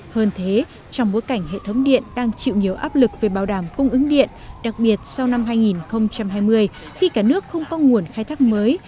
hơn thế trong bối cảnh hệ thống điện đang chịu nhiều áp lực về bảo đảm cung ứng điện đặc biệt sau năm hai nghìn hai mươi khi cả nước không có nguồn khai thác mới